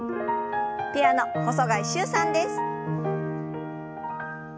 ピアノ細貝柊さんです。